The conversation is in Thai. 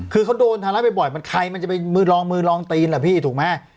คือเขาโดนทำร้ายบ่อยมันใครมันจะไปมือลองมือลองตีนล่ะพี่ถูกไหม